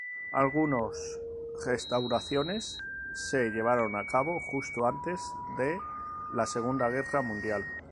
Algunos restauraciones se llevaron a cabo justo antes de la Segunda Guerra Mundial.